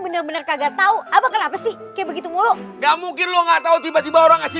benar benar kagak tahu apa kenapa sih kayak begitu mulu gamuk ilu enggak tahu tiba tiba orang pasti